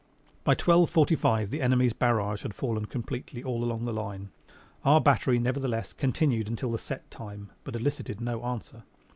By twelve forty five the enemy's barrage had fallen completely all along the line. Our battery nevertheless continued until the set time but elicited no answer.